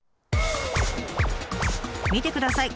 見てください！